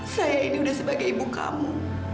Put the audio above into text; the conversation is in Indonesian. saya ini udah sebagai ibu kamu